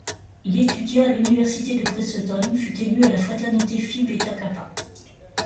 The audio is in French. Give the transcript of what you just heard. Il étudia à l'université de Princeton, fut élu à la fraternité Phi Beta Kappa.